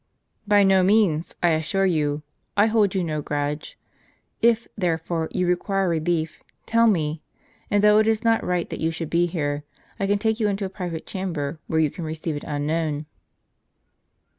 "By no means, I assure you; I hold you no grudge. If, therefore, you require relief, tell me; and though it is not right that you should be here, I can take you into a private chamber where you can receive it unknown."